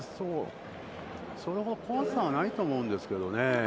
それほど怖さはないと思うんですけどね。